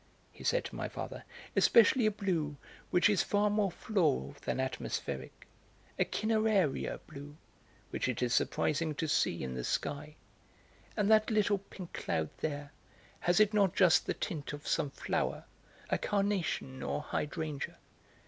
he said to my father. "Especially a blue which is far more floral than atmospheric, a cineraria blue, which it is surprising to see in the sky. And that little pink cloud there, has it not just the tint of some flower, a carnation or hydrangea?